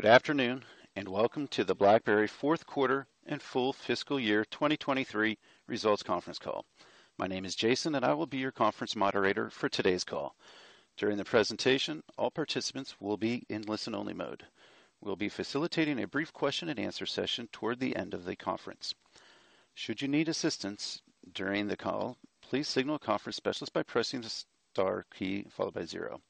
Good afternoon, and welcome to the BlackBerry fourth quarter and full fiscal year 2023 results conference call. My name is Jason, and I will be your conference moderator for today's call. During the presentation, all participants will be in listen-only mode. We'll be facilitating a brief question and answer session toward the end of the conference. Should you need assistance during the call, please signal a conference specialist by pressing the star key followed by zero.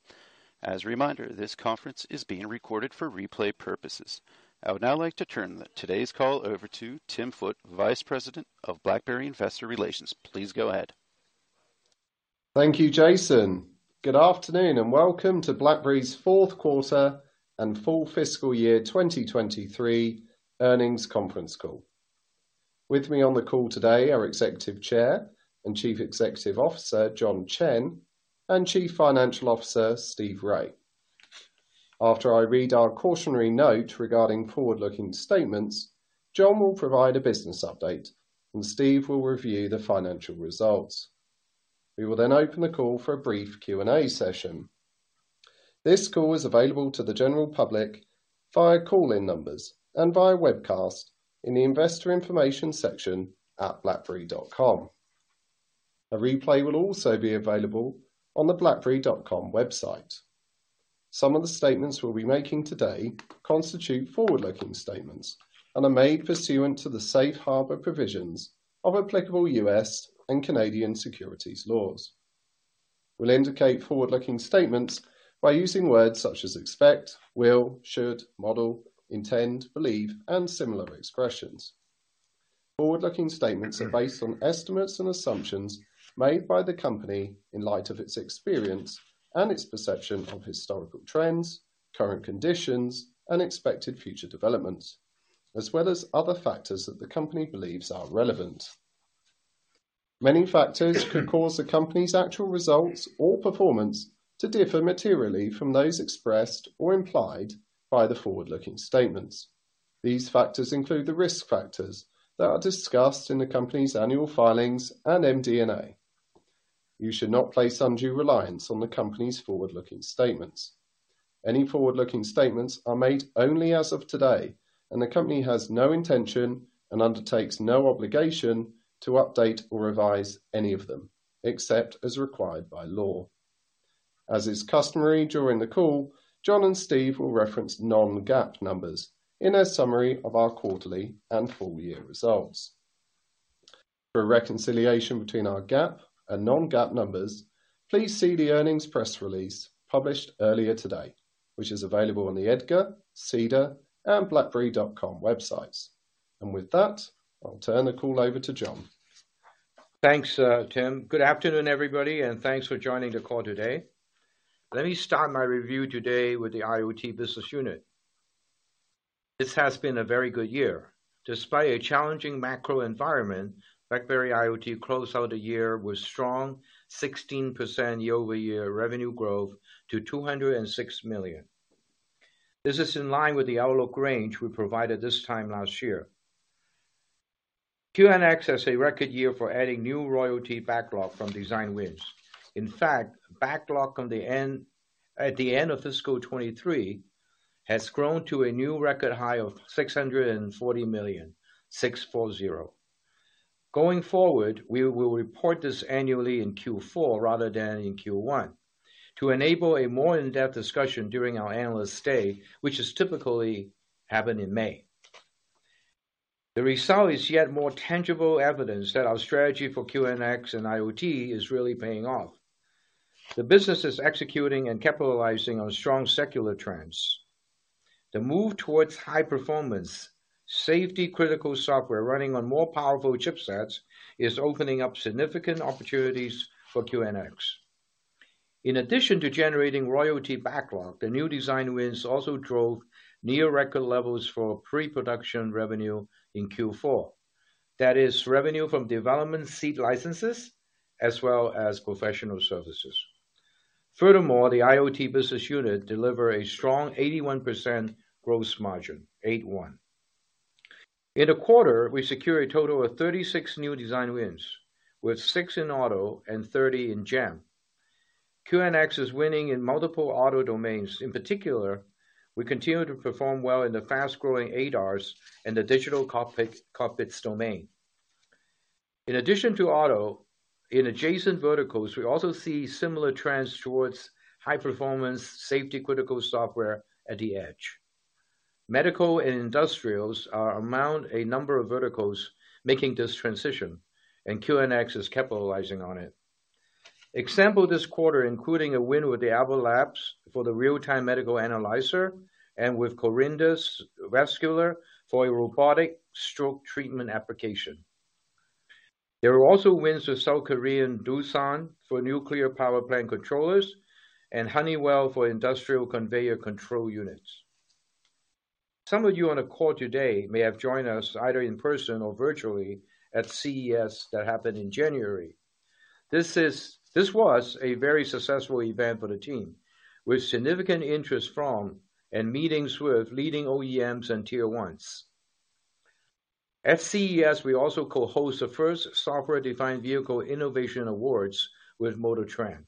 As a reminder, this conference is being recorded for replay purposes. I would now like to turn today's call over to Tim Foote, Vice President of BlackBerry Investor Relations. Please go ahead. Thank you, Jason. Good afternoon, and welcome to BlackBerry's fourth quarter and full fiscal year 2023 earnings conference call. With me on the call today, our Executive Chair and Chief Executive Officer, John Chen, and Chief Financial Officer, Steve Rai. After I read our cautionary note regarding forward-looking statements, John will provide a business update, and Steve will review the financial results. We will then open the call for a brief Q&A session. This call is available to the general public via call-in numbers and via webcast in the investor information section at blackberry.com. A replay will also be available on the blackberry.com website. Some of the statements we'll be making today constitute forward-looking statements and are made pursuant to the safe harbor provisions of applicable U.S. and Canadian securities laws. We'll indicate forward-looking statements by using words such as expect, will, should, model, intend, believe, and similar expressions. Forward-looking statements are based on estimates and assumptions made by the company in light of its experience and its perception of historical trends, current conditions, and expected future developments, as well as other factors that the company believes are relevant. Many factors could cause the company's actual results or performance to differ materially from those expressed or implied by the forward-looking statements. These factors include the risk factors that are discussed in the company's annual filings and MD&A. You should not place undue reliance on the company's forward-looking statements. Any forward-looking statements are made only as of today, and the company has no intention and undertakes no obligation to update or revise any of them, except as required by law. As is customary during the call, John and Steve will reference non-GAAP numbers in a summary of our quarterly and full year results. For a reconciliation between our GAAP and non-GAAP numbers, please see the earnings press release published earlier today, which is available on the EDGAR, SEDAR+, and blackberry.com websites. With that, I'll turn the call over to John. Thanks, Tim. Good afternoon, everybody, and thanks for joining the call today. Let me start my review today with the IoT business unit. This has been a very good year. Despite a challenging macro environment, BlackBerry IoT closed out a year with strong 16% year-over-year revenue growth to $206 million. This is in line with the outlook range we provided this time last year. QNX has a record year for adding new royalty backlog from design wins. In fact, backlog at the end of fiscal 23 has grown to a new record high of $640 million, 640. Going forward, we will report this annually in Q4 rather than in Q1 to enable a more in-depth discussion during our Analyst Day, which is typically happen in May. The result is yet more tangible evidence that our strategy for QNX and IoT is really paying off. The business is executing and capitalizing on strong secular trends. The move towards high performance, safety critical software running on more powerful chipsets is opening up significant opportunities for QNX. In addition to generating royalty backlog, the new design wins also drove near record levels for pre-production revenue in Q4. That is revenue from development seat licenses as well as professional services. Furthermore, the IoT business unit deliver a strong 81% growth margin, eight one. In a quarter, we secure a total of 36 new design wins, with six in auto and 30 in GEM. QNX is winning in multiple auto domains. In particular, we continue to perform well in the fast-growing ADAS and the digital cockpits domain. In addition to auto, in adjacent verticals, we also see similar trends towards high-performance, safety critical software at the edge. Medical and industrials are among a number of verticals making this transition, and QNX is capitalizing on it. Example this quarter, including a win with Able Labs for the real-time medical analyzer and with Corindus Vascular for a robotic stroke treatment application. There are also wins with South Korean Doosan for nuclear power plant controllers and Honeywell for industrial conveyor control units. Some of you on the call today may have joined us either in person or virtually at CES that happened in January. This was a very successful event for the team, with significant interest from and meetings with leading OEMs and Tier 1s. At CES, we also co-host the first Software-Defined Vehicle innovation awards with MotorTrend.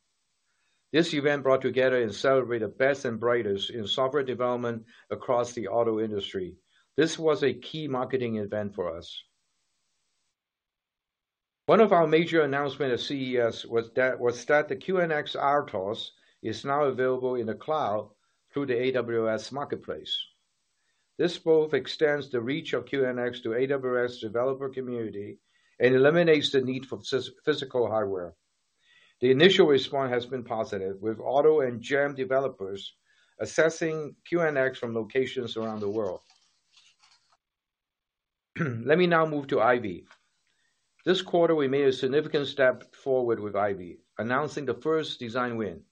This event brought together and celebrate the best and brightest in software development across the auto industry. This was a key marketing event for us. One of our major announcement at CES was that the QNX RTOS is now available in the cloud through the AWS Marketplace. This both extends the reach of QNX to AWS developer community and eliminates the need for physical hardware. The initial response has been positive, with auto and GM developers assessing QNX from locations around the world. Let me now move to IVY. This quarter, we made a significant step forward with IVY, announcing the first design win.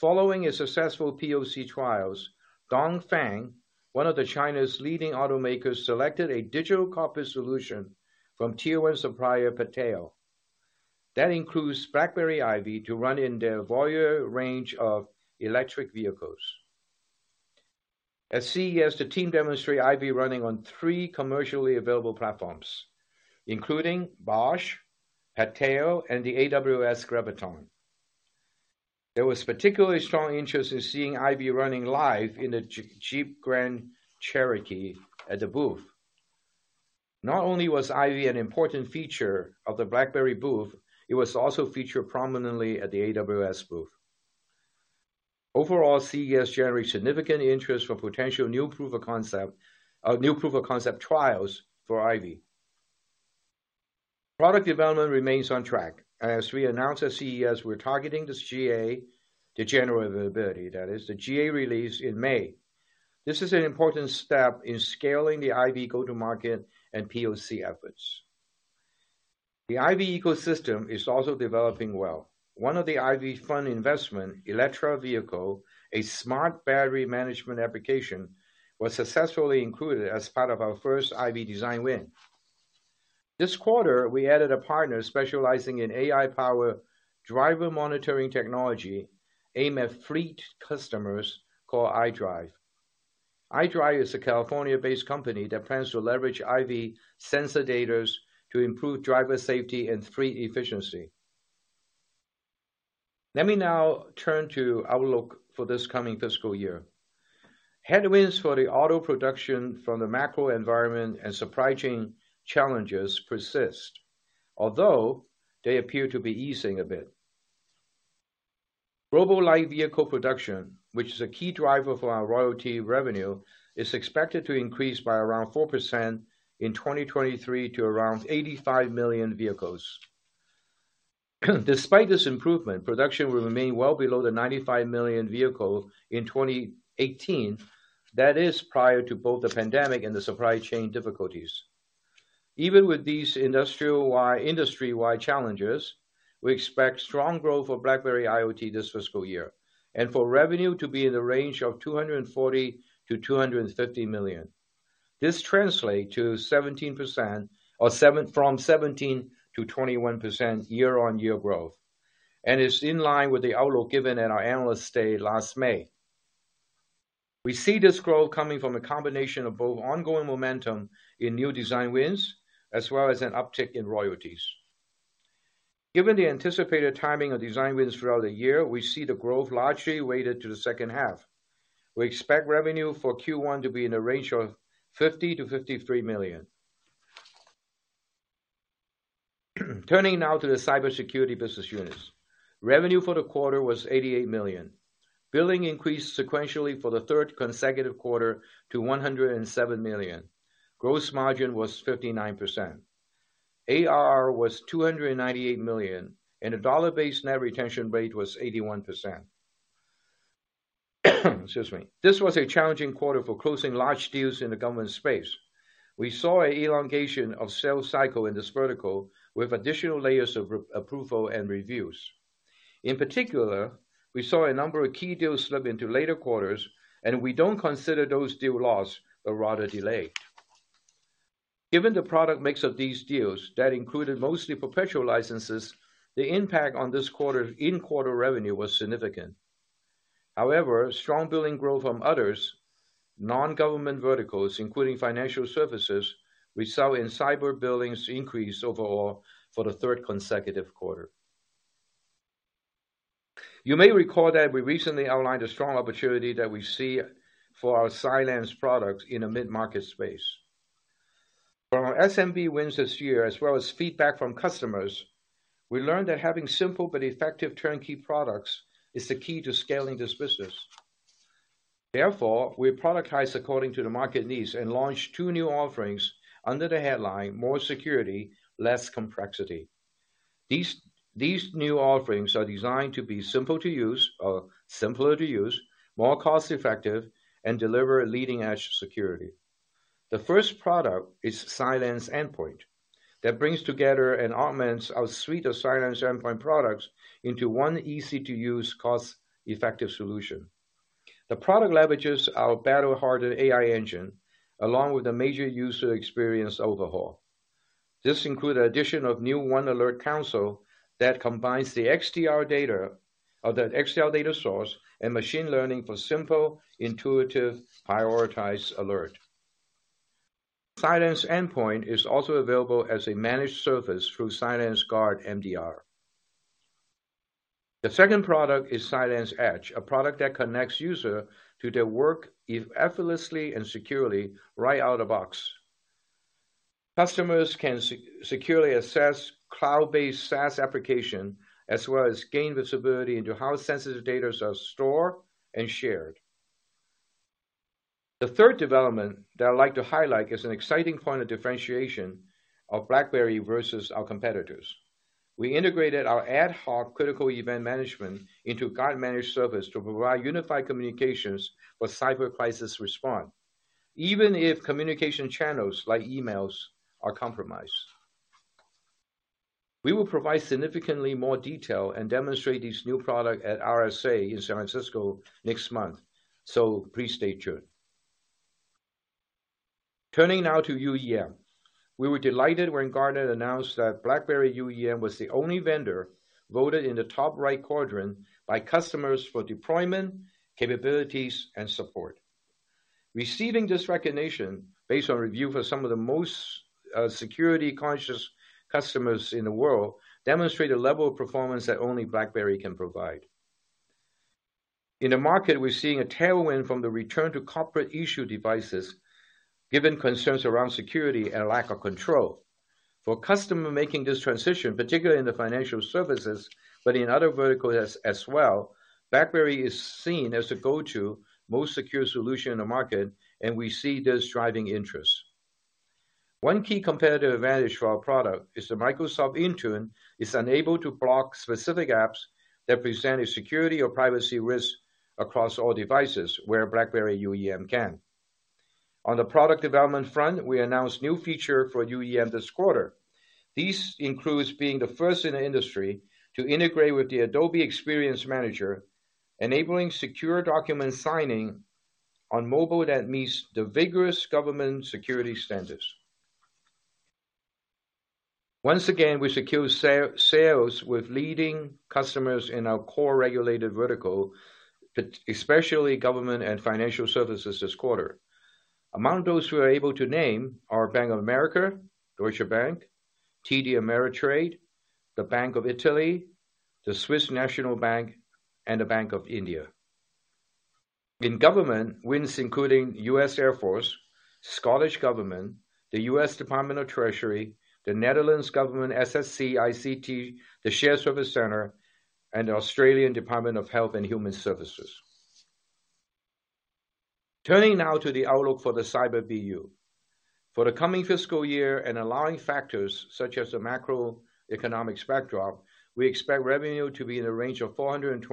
Following a successful POC trials, Dongfeng, one of China's leading automakers, selected a digital cockpit solution from Tier One supplier PATEO. That includes BlackBerry IVY to run in their VOYAH range of electric vehicles. At CES, the team demonstrate IVY running on three commercially available platforms, including Bosch, PATEO, and the AWS Graviton. There was particularly strong interest in seeing IVY running live in a Jeep Grand Cherokee at the booth. Not only was IVY an important feature of the BlackBerry booth, it was also featured prominently at the AWS booth. Overall, CES generated significant interest for potential new proof of concept, new proof of concept trials for IVY. Product development remains on track. As we announced at CES, we're targeting this GA, the general availability, that is, the GA release in May. This is an important step in scaling the IVY go-to-market and POC efforts. The IVY ecosystem is also developing well. One of the IVY fund investment, Electra Vehicles, a smart battery management application, was successfully included as part of our first IVY design win. This quarter, we added a partner specializing in AI power driver monitoring technology aimed at fleet customers called EyeDrive. EyeDrive is a California-based company that plans to leverage IVY sensor data to improve driver safety and fleet efficiency. Let me now turn to outlook for this coming fiscal year. Headwinds for the auto production from the macro environment and supply chain challenges persist, although they appear to be easing a bit. global light vehicle production, which is a key driver for our royalty revenue, is expected to increase by around 4% in 2023 to around 85 million vehicles. Despite this improvement, production will remain well below the 95 million vehicles in 2018. That is prior to both the pandemic and the supply chain difficulties. Even with these industry-wide challenges, we expect strong growth for BlackBerry IoT this fiscal year, and for revenue to be in the range of $240 million-$250 million. This translate to 17%-21% year-on-year growth, and is in line with the outlook given at our Analyst Day last May. We see this growth coming from a combination of both ongoing momentum in new design wins, as well as an uptick in royalties. Given the anticipated timing of design wins throughout the year, we see the growth largely weighted to the second half. We expect revenue for Q1 to be in the range of $50 million-$53 million. Turning now to the cybersecurity business units. Revenue for the quarter was $88 million. Billing increased sequentially for the third consecutive quarter to $107 million. Gross margin was 59%. ARR was $298 million, and the dollar-based net retention rate was 81%. Excuse me. This was a challenging quarter for closing large deals in the government space. We saw a elongation of sales cycle in this vertical with additional layers of approval and reviews. In particular, we saw a number of key deals slip into later quarters, and we don't consider those deal loss, but rather delayed. Given the product mix of these deals that included mostly perpetual licenses, the impact on this quarter, in quarter revenue was significant. However, strong billing growth from others, non-government verticals, including financial services, we saw in cyber billings increase overall for the third consecutive quarter. You may recall that we recently outlined a strong opportunity that we see for our Cylance products in a mid-market space. From our SMB wins this year, as well as feedback from customers, we learned that having simple but effective turnkey products is the key to scaling this business. We productized according to the market needs and launched two new offerings under the headline, More Security, Less Complexity. These new offerings are designed to be simple to use, or simpler to use, more cost-effective, and deliver leading-edge security. The first product is Cylance Endpoint. Brings together and augments our suite of Cylance Endpoint products into one easy-to-use, cost-effective solution. The product leverages our battle-hardened AI engine along with a major user experience overhaul. This include addition of new 1 alert console that combines the XDR data of that XDR data source and machine learning for simple, intuitive, prioritized alert. Cylance Endpoint is also available as a managed service through CylanceGuard MDR. The second product is CylanceEDGE, a product that connects user to their work effortlessly and securely right out-of-box. Customers can securely assess cloud-based SaaS application, as well as gain visibility into how sensitive data is stored and shared. The third development that I'd like to highlight is an exciting point of differentiation of BlackBerry versus our competitors. We integrated our ad hoc critical event management into Guard managed service to provide unified communications with cyber crisis response, even if communication channels like emails are compromised. We will provide significantly more detail and demonstrate these new product at RSA in San Francisco next month. Please stay tuned. Turning now to UEM. We were delighted when Gartner announced that BlackBerry UEM was the only vendor voted in the top right quadrant by customers for deployment, capabilities, and support. Receiving this recognition based on review for some of the most security conscious customers in the world, demonstrate a level of performance that only BlackBerry can provide. In the market, we're seeing a tailwind from the return to corporate-issued devices given concerns around security and lack of control. For a customer making this transition, particularly in the financial services, but in other verticals as well, BlackBerry is seen as the go-to most secure solution in the market, and we see this driving interest. One key competitive advantage for our product is that Microsoft Intune is unable to block specific apps that present a security or privacy risk across all devices where BlackBerry UEM can. On the product development front, we announced new feature for UEM this quarter. This includes being the first in the industry to integrate with the Adobe Experience Manager, enabling secure document signing on mobile that meets the vigorous government security standards. Once again, we secured sales with leading customers in our core regulated vertical, especially government and financial services this quarter. Among those we are able to name are Bank of America, Deutsche Bank, TD Ameritrade, the Bank of Italy, the Swiss National Bank, and the Bank of India. In government, wins including US Air Force, Scottish Government, the US Department of Treasury, the Netherlands government SSC-ICT, the Shared Service Center, and the Australian Department of Health and Human Services. Turning now to the outlook for the Cyber BU. For the coming fiscal year and allowing factors such as the macroeconomic backdrop, we expect revenue to be in the range of $425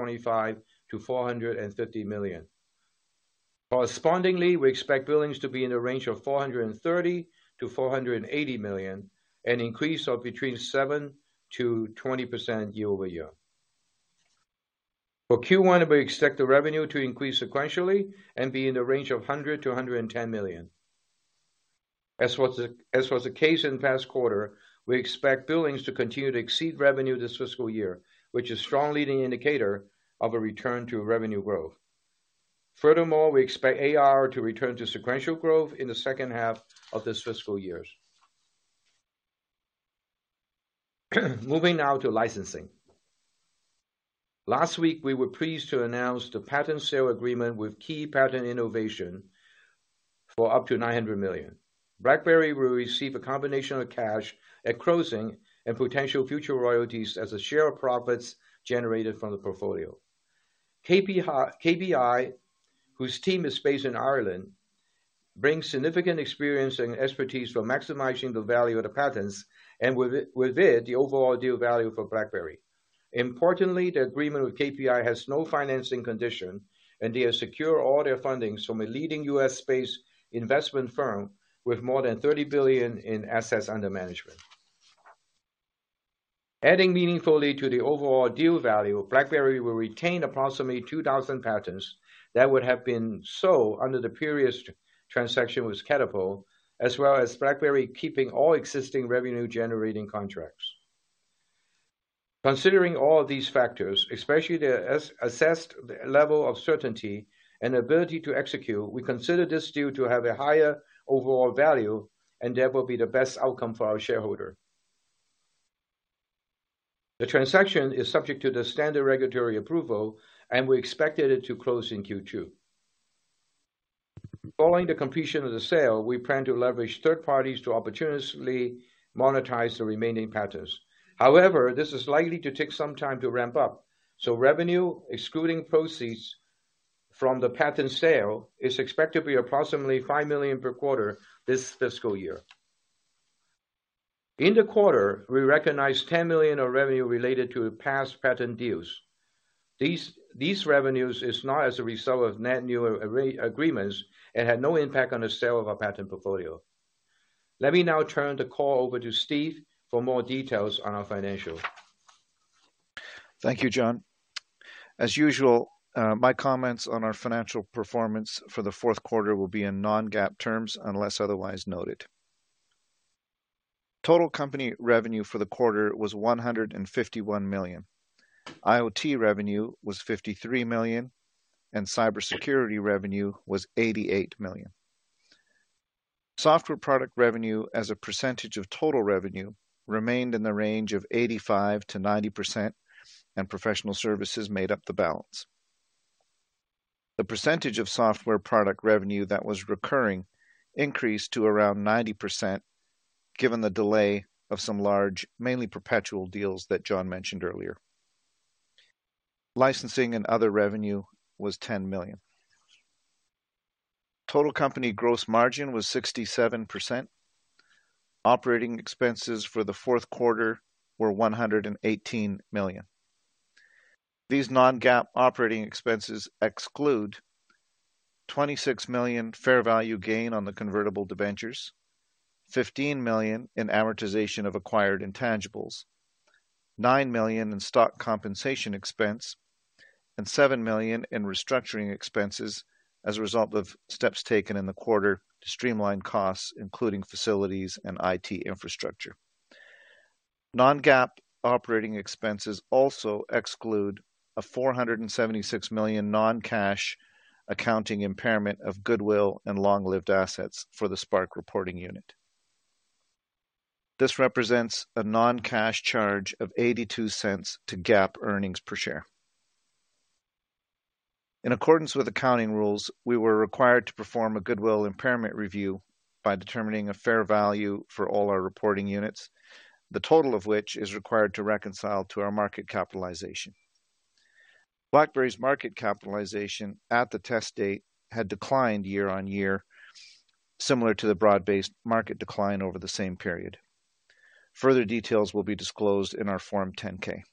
million-$450 million. Correspondingly, we expect billings to be in the range of $430 million-$480 million, an increase of between 7%-20% year-over-year. For Q1, we expect the revenue to increase sequentially and be in the range of $100 million-$110 million. As was the case in the past quarter, we expect billings to continue to exceed revenue this fiscal year, which is strong leading indicator of a return to revenue growth. Furthermore, we expect AR to return to sequential growth in the second half of this fiscal years. Moving now to licensing. Last week, we were pleased to announce the patent sale agreement with Key Patent Innovations for up to $900 million. BlackBerry will receive a combination of cash at closing and potential future royalties as a share of profits generated from the portfolio. KPI, whose team is based in Ireland, brings significant experience and expertise for maximizing the value of the patents and with it, the overall deal value for BlackBerry. Importantly, the agreement with KPI has no financing condition. They have secured all their fundings from a leading U.S.-based investment firm with more than $30 billion in assets under management. Adding meaningfully to the overall deal value, BlackBerry will retain approximately 2,000 patents that would have been sold under the previous transaction with Catapult, as well as BlackBerry keeping all existing revenue-generating contracts. Considering all of these factors, especially their as-assessed level of certainty and ability to execute, we consider this deal to have a higher overall value and therefore be the best outcome for our shareholder. The transaction is subject to the standard regulatory approval. We expected it to close in Q2. Following the completion of the sale, we plan to leverage third parties to opportunistically monetize the remaining patents. However, this is likely to take some time to ramp up, so revenue excluding proceeds from the patent sale is expected to be approximately $5 million per quarter this fiscal year. In the quarter, we recognized $10 million of revenue related to past patent deals. These revenues is not as a result of net new agreements and had no impact on the sale of our patent portfolio. Let me now turn the call over to Steve for more details on our financials. Thank you, John. As usual, my comments on our financial performance for the fourth quarter will be in non-GAAP terms unless otherwise noted. Total company revenue for the quarter was $151 million. IoT revenue was $53 million, and cybersecurity revenue was $88 million. Software product revenue as a percentage of total revenue remained in the range of 85%-90%, and professional services made up the balance. The percentage of software product revenue that was recurring increased to around 90% given the delay of some large, mainly perpetual deals that John mentioned earlier. Licensing and other revenue was $10 million. Total company gross margin was 67%. Operating expenses for the fourth quarter were $118 million. These non-GAAP operating expenses exclude $26 million fair value gain on the convertible debentures, $15 million in amortization of acquired intangibles, $9 million in stock compensation expense, and $7 million in restructuring expenses as a result of steps taken in the quarter to streamline costs, including facilities and IT infrastructure. Non-GAAP operating expenses also exclude a $476 million non-cash accounting impairment of goodwill and long-lived assets for the Spark reporting unit. This represents a non-cash charge of $0.82 to GAAP earnings per share. In accordance with accounting rules, we were required to perform a goodwill impairment review by determining a fair value for all our reporting units, the total of which is required to reconcile to our market capitalization. BlackBerry's market capitalization at the test date had declined year-over-year, similar to the broad-based market decline over the same period. Further details will be disclosed in our Form 10-K.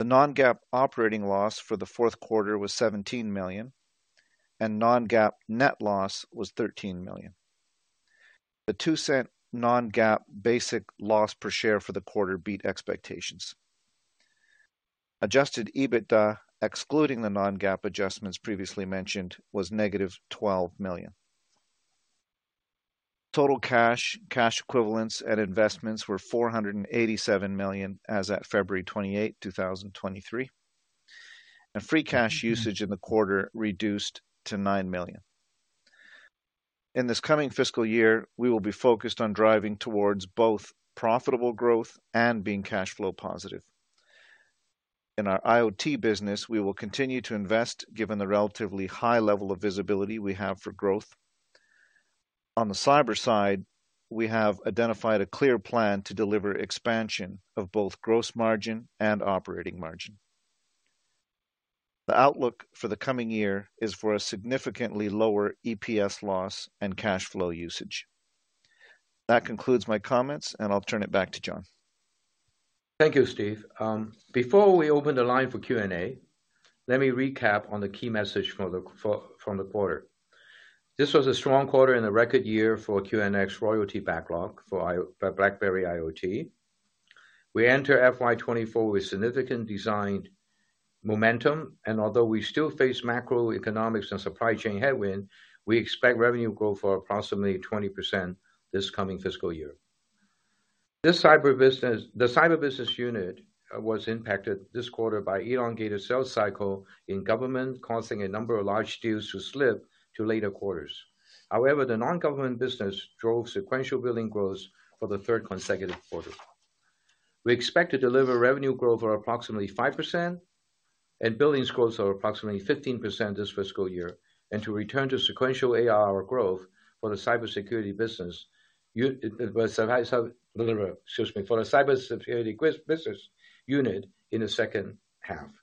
The non-GAAP operating loss for the fourth quarter was $17 million, and non-GAAP net loss was $13 million. The $0.02 non-GAAP basic loss per share for the quarter beat expectations. Adjusted EBITDA, excluding the non-GAAP adjustments previously mentioned, was negative $12 million. Total cash equivalents, and investments were $487 million as at February 28, 2023. Free cash usage in the quarter reduced to $9 million. In this coming fiscal year, we will be focused on driving towards both profitable growth and being cash flow positive. In our IoT business, we will continue to invest given the relatively high level of visibility we have for growth. On the cyber side, we have identified a clear plan to deliver expansion of both gross margin and operating margin. The outlook for the coming year is for a significantly lower EPS loss and cash flow usage. That concludes my comments, and I'll turn it back to John. Thank you, Steve. Before we open the line for Q&A, let me recap on the key message from the quarter. This was a strong quarter and a record year for QNX royalty backlog For BlackBerry IoT. We enter FY 2024 with significant design momentum, and although we still face macroeconomics and supply chain headwind, we expect revenue growth of approximately 20% this coming fiscal year. The cyber business unit was impacted this quarter by elongated sales cycle in government, causing a number of large deals to slip to later quarters. However, the non-government business drove sequential billing growth for the third consecutive quarter. We expect to deliver revenue growth of approximately 5% and billings growth of approximately 15% this fiscal year, to return to sequential ARR growth for the cybersecurity business unit in the second half.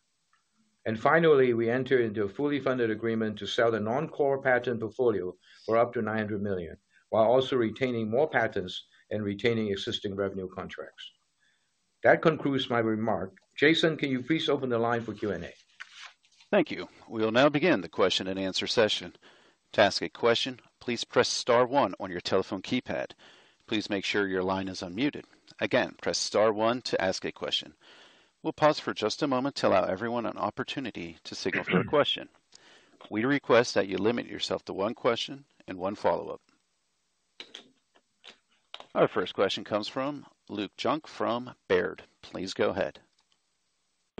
Finally, we entered into a fully funded agreement to sell the non-core patent portfolio for up to $900 million, while also retaining more patents and retaining existing revenue contracts. That concludes my remarks. Jason, can you please open the line for Q&A? Thank you. We'll now begin the question and answer session. To ask a question, please press star one on your telephone keypad. Please make sure your line is unmuted. Again, press star one to ask a question. We'll pause for just a moment to allow everyone an opportunity to signal for a question. We request that you limit yourself to one question and one follow-up. Our first question comes from Luke Junk from Baird. Please go ahead.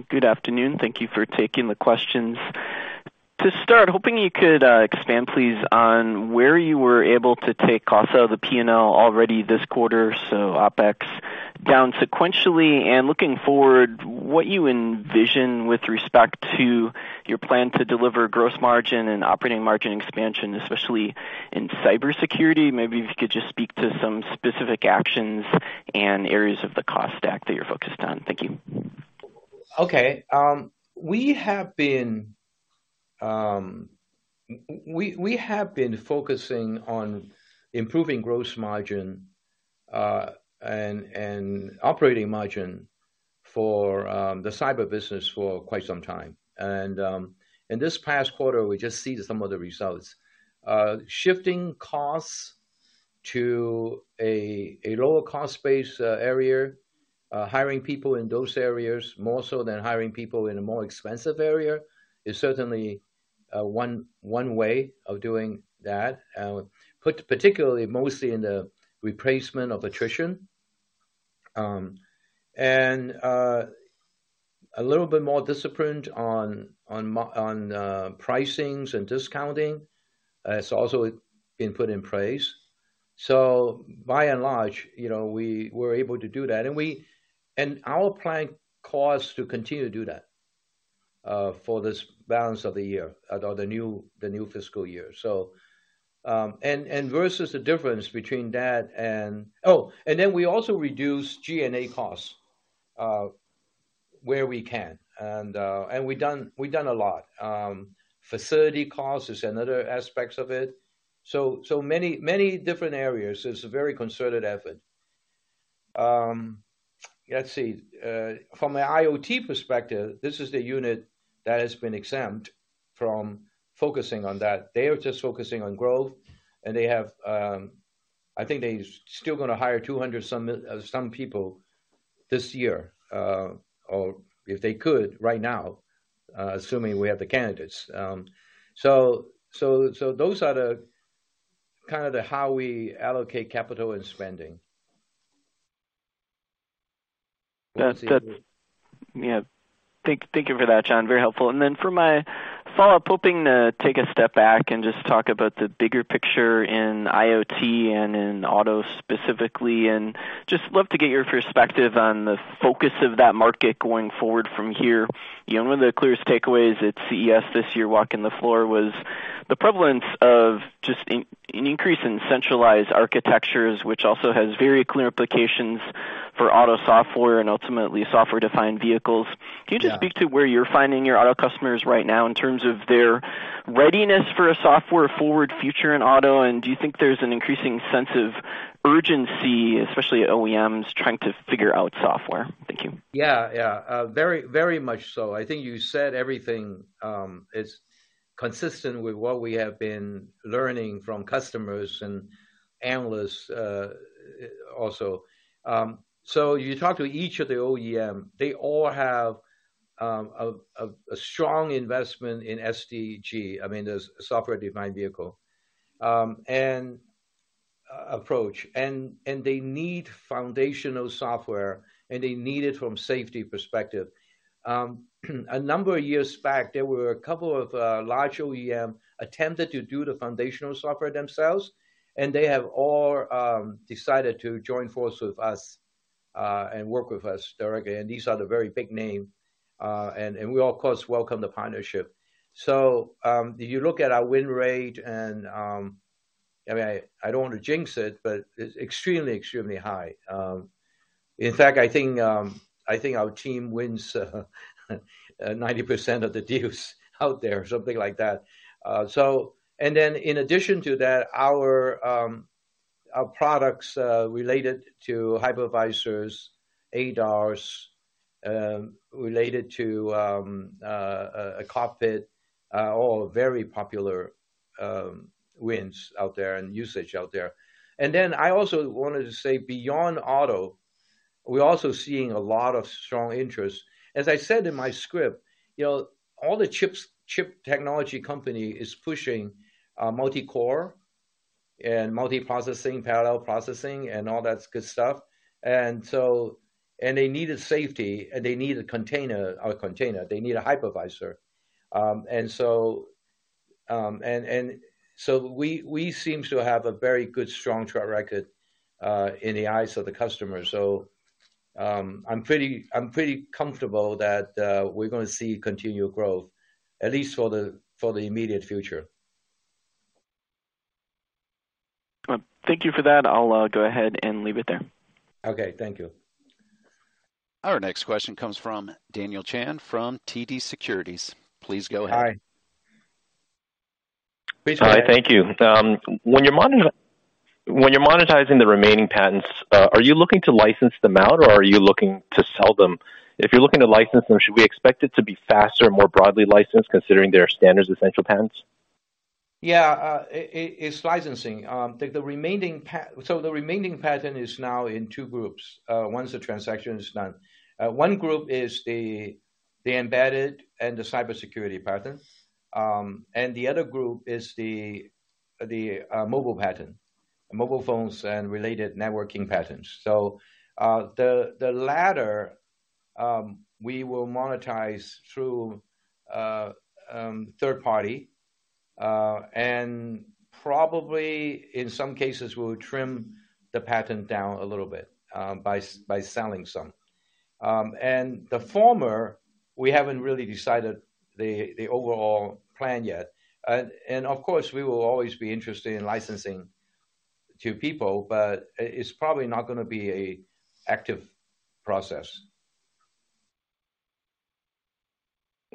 Good afternoon. Thank you for taking the questions. To start, hoping you could expand please on where you were able to take cost out of the P&L already this quarter, so OpEx down sequentially, and looking forward, what you envision with respect to your plan to deliver gross margin and operating margin expansion, especially in cybersecurity. Maybe if you could just speak to some specific actions and areas of the cost stack that you're focused on. Thank you. Okay. We have been focusing on improving gross margin and operating margin for the cyber business for quite some time. In this past quarter, we just see some of the results. Shifting costs to a lower cost base area, hiring people in those areas more so than hiring people in a more expensive area is certainly one way of doing that. Put particularly mostly in the replacement of attrition. A little bit more disciplined on pricings and discounting, it's also been put in place. By and large, you know, we were able to do that. Our plan calls to continue to do that for this balance of the year or the new fiscal year. Versus the difference between that and. Then we also reduce G&A costs where we can. We've done a lot. Facility costs is another aspects of it. Many different areas. It's a very concerted effort. Let's see. From an IoT perspective, this is the unit that has been exempt from focusing on that. They are just focusing on growth, and they have, I think they're still gonna hire 200 some people this year, or if they could right now, assuming we have the candidates. Those are the kind of the how we allocate capital and spending. That's. Yeah. Thank you for that, John. Very helpful. For my follow-up, hoping to take a step back and just talk about the bigger picture in IoT and in auto specifically. Just love to get your perspective on the focus of that market going forward from here. You know, one of the clearest takeaways at CES this year, walking the floor, was the prevalence of just an increase in centralized architectures, which also has very clear implications for auto software and ultimately Software-Defined Vehicles. Yeah. Can you just speak to where you're finding your auto customers right now in terms of their readiness for a software forward future in auto? Do you think there's an increasing sense of urgency, especially at OEMs trying to figure out software? Thank you. Yeah. Yeah. very, very much so. I think you said everything is consistent with what we have been learning from customers and analysts also. You talk to each of the OEM, they all have a strong investment in SDV. I mean, the Software-Defined Vehicle, and approach. They need foundational software, and they need it from safety perspective. A number of years back, there were a couple of large OEM attempted to do the foundational software themselves, and they have all decided to join forces with us and work with us directly. These are the very big name, and we, of course, welcome the partnership. If you look at our win rate and I mean, I don't wanna jinx it, but it's extremely high. In fact, I think our team wins 90% of the deals out there or something like that. In addition to that, our products related to hypervisors, ADAS, related to a cockpit, are all very popular wins out there and usage out there. I also wanted to say, beyond auto, we're also seeing a lot of strong interest. As I said in my script, you know, all the chip technology company is pushing multi-core and multi-processing, parallel processing, and all that good stuff. They needed safety, and they need a container. They need a hypervisor. We seem to have a very good strong track record in the eyes of the customer. I'm pretty comfortable that we're gonna see continued growth, at least for the immediate future. Well, thank you for that. I'll go ahead and leave it there. Okay. Thank you. Our next question comes from Daniel Chan from TD Securities. Please go ahead. Hi. Please go ahead. Hi. Thank you. When you're monetizing the remaining patents, are you looking to license them out, or are you looking to sell them? If you're looking to license them, should we expect it to be faster, more broadly licensed considering they are standards-essential patents? It's licensing. The remaining patent is now in two groups, once the transaction is done. One group is the embedded and the cybersecurity patents, and the other group is the mobile patent. Mobile phones and related networking patents. The latter, we will monetize through third party, and probably in some cases we'll trim the patent down a little bit, by selling some. The former, we haven't really decided the overall plan yet. Of course, we will always be interested in licensing to people, but it's probably not gonna be an active process.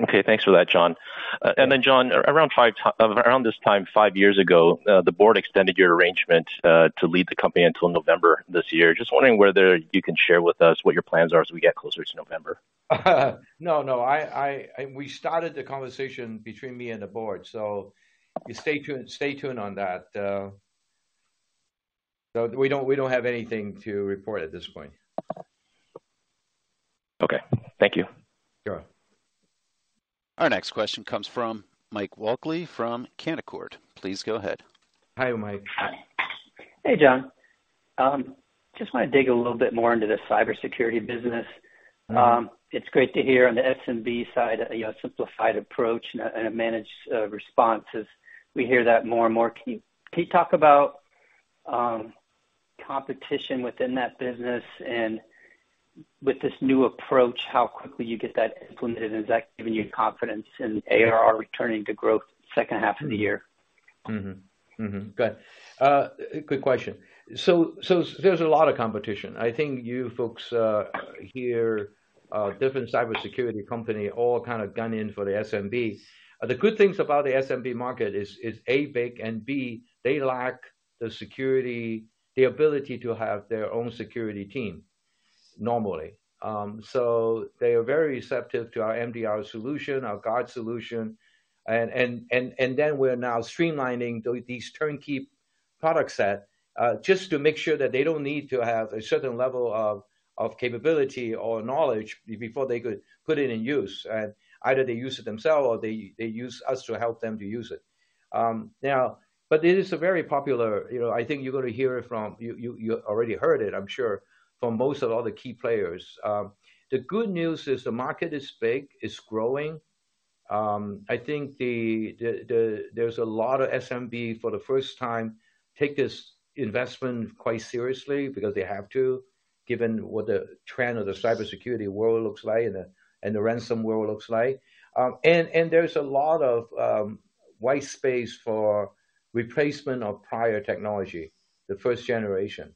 Okay. Thanks for that, John. Yeah. John, around this time five years ago, the board extended your arrangement to lead the company until November this year. Just wondering whether you can share with us what your plans are as we get closer to November? No. I. We started the conversation between me and the board. Stay tuned on that. We don't have anything to report at this point. Okay. Thank you. Sure. Our next question comes from Mike Walkley from Canaccord. Please go ahead. Hi, Mike. Hey, John. Just want to dig a little bit more into the cybersecurity business. It's great to hear on the SMB side, you know, a simplified approach and a managed response as we hear that more and more. Can you talk about competition within that business and with this new approach, how quickly you get that implemented? Has that given you confidence in ARR returning to growth second half of the year? Got it. Good question. There's a lot of competition. I think you folks here, different cybersecurity company all kind of gunning for the SMB. The good things about the SMB market is, A, big, and B, they lack the security, the ability to have their own security team normally. They are very receptive to our MDR solution, our Guard solution. Then we're now streamlining these turnkey product set, just to make sure that they don't need to have a certain level of capability or knowledge before they could put it in use. Either they use it themselves or they use us to help them to use it. Now, it is a very popular, you know, I think you're gonna hear it from... You already heard it, I'm sure, from most of all the key players. The good news is the market is big, it's growing. I think there's a lot of SMB for the first time take this investment quite seriously because they have to, given what the trend of the cybersecurity world looks like and the ransom world looks like. And there's a lot of white space for replacement of prior technology, the first generation.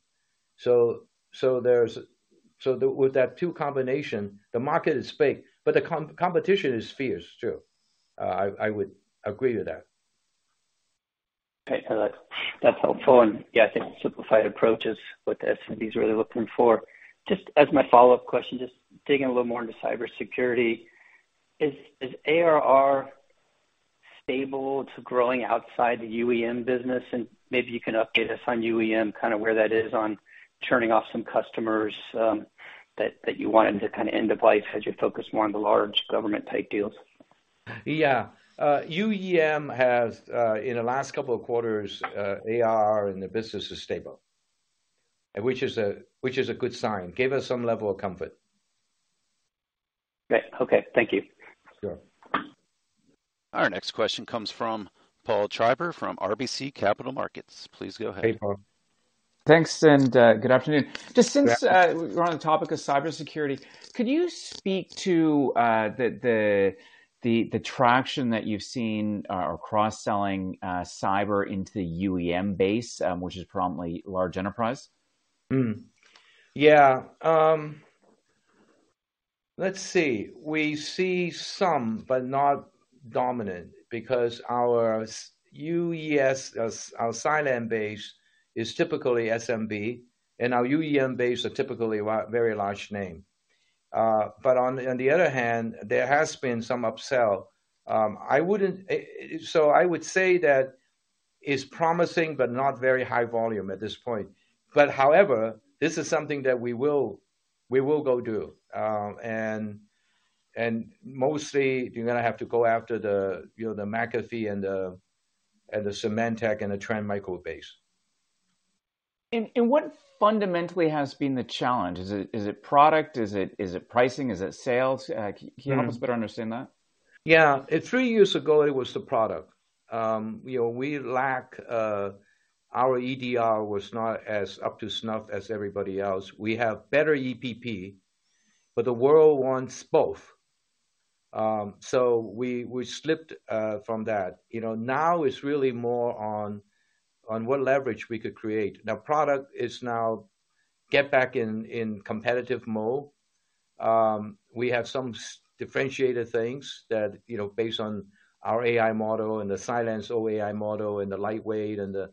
With that 2 combination, the market is big, but the competition is fierce too. I would agree with that. Okay. That's, that's helpful. Yeah, I think simplified approach is what the SMBs are really looking for. Just as my follow-up question, just digging a little more into cybersecurity: Is ARR stable to growing outside the UEM business? Maybe you can update us on UEM, kind of where that is on churning off some customers, that you wanted to kind of end of life as you focus more on the large government type deals. UEM has, in the last couple of quarters, ARR and the business is stable. Which is a good sign. Gave us some level of comfort. Great. Okay. Thank you. Sure. Our next question comes from Paul Treiber from RBC Capital Markets. Please go ahead. Hey, Paul. Thanks, and good afternoon. Yeah. Just since we're on the topic of cybersecurity, could you speak to the traction that you've seen or cross-selling cyber into the UEM base, which is probably large enterprise? Yeah. Let's see. We see some, but not dominant because our UES, our Cylance base is typically SMB, and our UEM base are typically very large name. On the other hand, there has been some upsell. I wouldn't... I would say that it's promising, but not very high volume at this point. However, this is something that we will go do. Mostly you're gonna have to go after the, you know, the McAfee and the Symantec and the Trend Micro base. What fundamentally has been the challenge? Is it product? Is it pricing? Is it sales? Can you help us better understand that? Yeah. Three years ago, it was the product. You know, we lack our EDR was not as up to snuff as everybody else. We have better EPP, but the world wants both. We slipped from that. You know, now it's really more on what leverage we could create. Now, product is now get back in competitive mode. We have some differentiated things that, you know, based on our AI model and the Cylance's OAI model and the lightweight and the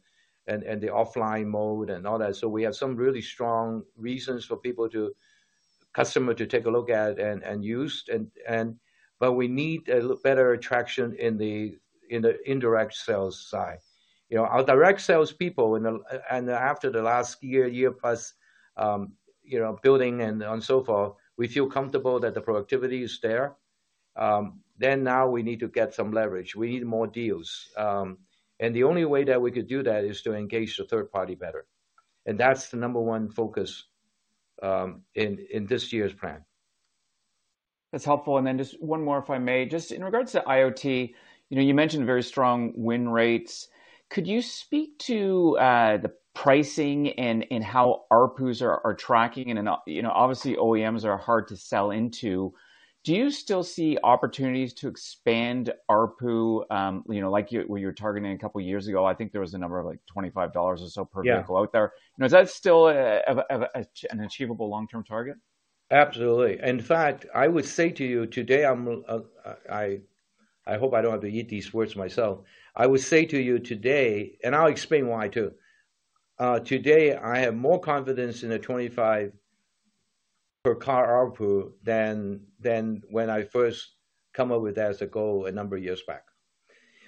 offline mode and all that. We have some really strong reasons for customer to take a look at and use. But we need a better traction in the indirect sales side. You know, our direct sales people in the and after the last year plus, you know, building and on so far, we feel comfortable that the productivity is there. Now we need to get some leverage. We need more deals. The only way that we could do that is to engage the third party better. That's the number one focus, in this year's plan. That's helpful. Just one more, if I may. Just in regards to IoT, you know, you mentioned very strong win rates. Could you speak to the pricing and how ARPUs are tracking and, you know, obviously OEMs are hard to sell into. Do you still see opportunities to expand ARPU, you know, what you were targeting a couple of years ago? I think there was a number of like $25 or so per vehicle out there. Yeah. Is that still an achievable long-term target? Absolutely. In fact, I would say to you today I'm, I hope I don't have to eat these words myself. I would say to you today, I'll explain why too. Today, I have more confidence in the $25 per car ARPU than when I first come up with that as a goal a number of years back.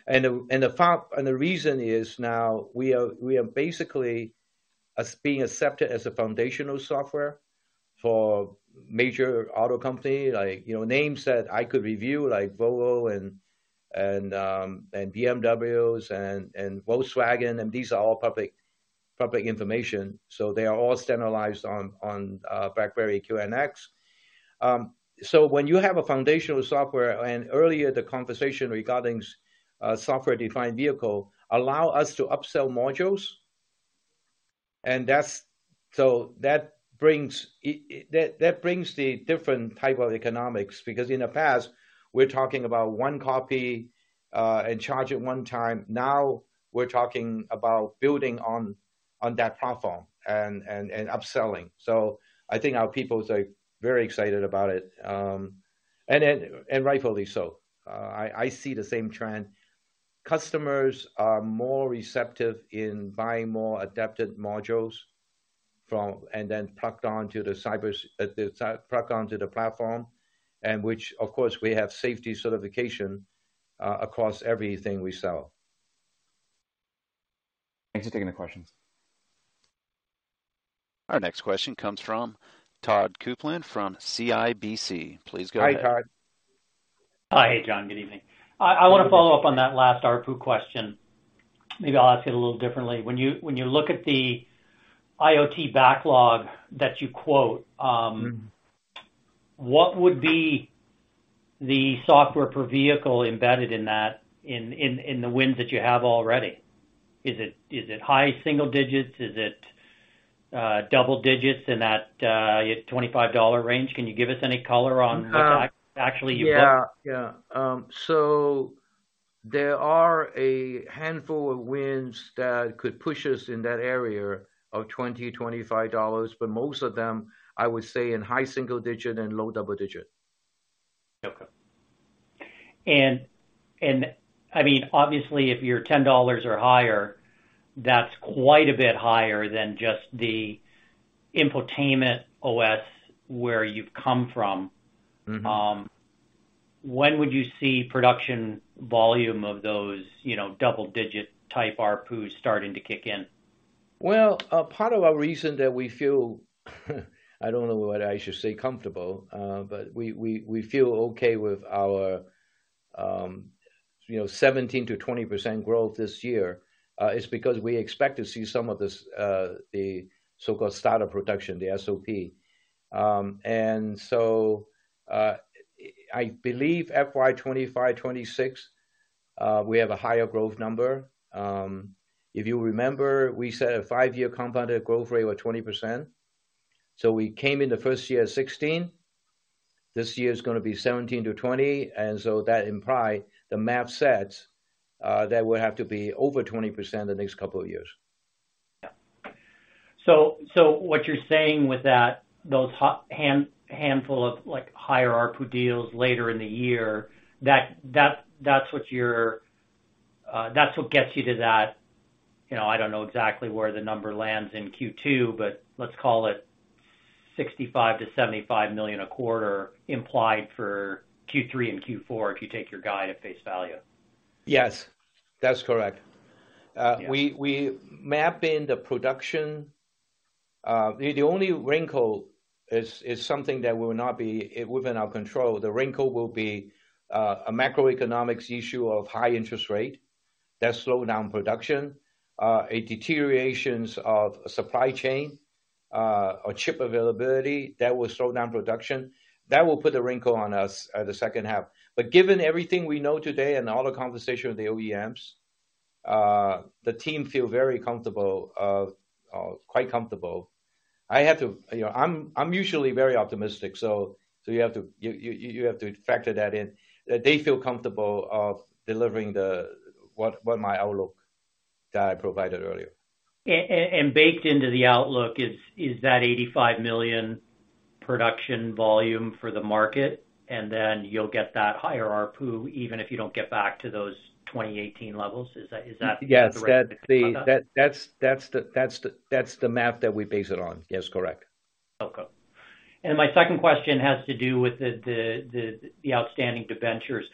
The reason is now we are basically as being accepted as a foundational software for major auto company, like, you know, names that I could review like Volvo and BMWs and Volkswagen, and these are all public information, so they are all standardized on BlackBerry QNX. When you have a foundational software, and earlier the conversation regarding software-defined vehicle, allow us to upsell modules. That brings the different type of economics, because in the past, we're talking about 1 copy, and charge it 1 time. Now we're talking about building on that platform and upselling. I think our people are very excited about it. Rightfully so. I see the same trend. Customers are more receptive in buying more adapted modules from plucked onto the cybers, plucked onto the platform, and which of course, we have safety certification across everything we sell. Thanks for taking the questions. Our next question comes from Todd Coupland from CIBC. Please go ahead. Hi, Todd. Hi. Hey, John. Good evening. I wanna follow up on that last ARPU question. Maybe I'll ask it a little differently. When you look at the IoT backlog that you quote, what would be the software per vehicle embedded in that in the wins that you have already? Is it high single digits? Is it double digits in that $25 range? Can you give us any color on what actually you built? Yeah. Yeah. There are a handful of wins that could push us in that area of $20-$25, but most of them, I would say in high single digit and low double digit. Okay. I mean, obviously, if you're $10 or higher, that's quite a bit higher than just the infotainment OS where you've come from. Mm-hmm. When would you see production volume of those, you know, double digit type ARPU starting to kick in? A part of our reason that we feel, I don't know whether I should say comfortable, but we feel okay with our, you know, 17%-20% growth this year is because we expect to see some of this, the so-called start of production, the SOP. I believe FY 2025, FY 2026, we have a higher growth number. If you remember, we set a 5-year compounded growth rate of 20%. We came in the first year at 16. This year is gonna be 17%-20%, that imply the math sets that we have to be over 20% the next couple of years. So what you're saying with that, those handful of like higher ARPU deals later in the year, that's what you're... that's what gets you to that, you know, I don't know exactly where the number lands in Q2, but let's call it $65 million-$75 million a quarter implied for Q3 and Q4, if you take your guide at face value. Yes, that's correct. We map in the production. The only wrinkle is something that will not be within our control. The wrinkle will be a macroeconomics issue of high interest rate that slow down production, a deterioration of supply chain, or chip availability that will slow down production. That will put a wrinkle on us the second half. Given everything we know today and all the conversation with the OEMs, the team feel very comfortable, quite comfortable. I have to... You know, I'm usually very optimistic, so you have to factor that in, that they feel comfortable of delivering what my outlook that I provided earlier. Baked into the outlook is that 85 million production volume for the market, and then you'll get that higher ARPU, even if you don't get back to those 2018 levels? Is that the right way to think about that? Yes. That's the map that we base it on. Yes, correct. Okay. My second question has to do with the outstanding debentures.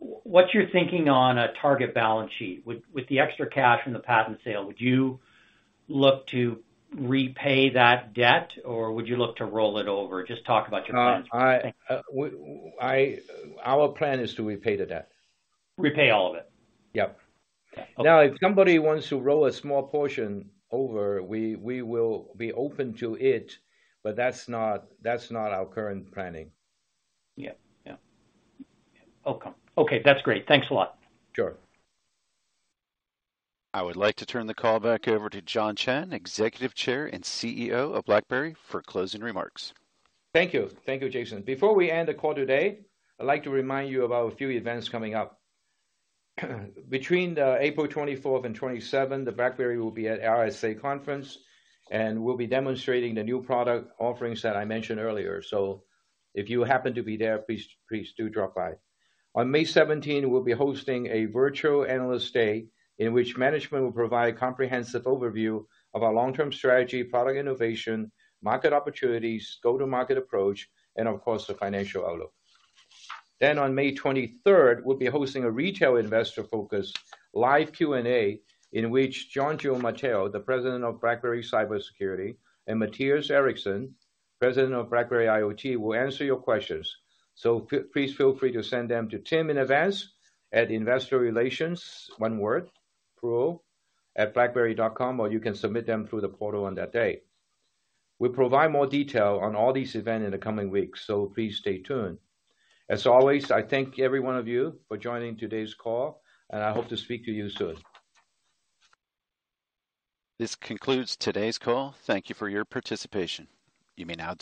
What's your thinking on a target balance sheet? With the extra cash from the patent sale, would you look to repay that debt or would you look to roll it over? Just talk about your plans for that, thank you. Our plan is to repay the debt. Repay all of it? Yep. Okay. If somebody wants to roll a small portion over, we will be open to it, but that's not our current planning. Yeah. Yeah. Okay. Okay, that's great. Thanks a lot. Sure. I would like to turn the call back over to John Chen, Executive Chair and CEO of BlackBerry, for closing remarks. Thank you. Thank you, Jason. Before we end the call today, I'd like to remind you about a few events coming up. Between April 24th and 27th, BlackBerry will be at RSA Conference, and we'll be demonstrating the new product offerings that I mentioned earlier. If you happen to be there, please do drop by. On May 17, we'll be hosting a virtual Analyst Day in which management will provide a comprehensive overview of our long-term strategy, product innovation, market opportunities, go-to-market approach, and of course, the financial outlook. On May 23rd, we'll be hosting a retail investor focus live Q&A, in which John Giamatteo, the President of BlackBerry Cybersecurity, and Mattias Eriksson, President of BlackBerry IoT, will answer your questions. Please feel free to send them to Tim in advance at investorrelations, one word, pruho@blackberry.com, or you can submit them through the portal on that day. We'll provide more detail on all these event in the coming weeks, please stay tuned. As always, I thank every one of you for joining today's call, and I hope to speak to you soon. This concludes today's call. Thank you for your participation. You may now disconnect.